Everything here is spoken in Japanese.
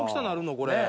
これ。